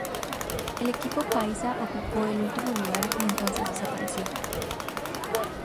El equipo paisa ocupó el último lugar y entonces desapareció.